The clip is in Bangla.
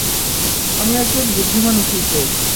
আমি একজন বুদ্ধিমান উকিল পেয়েছি।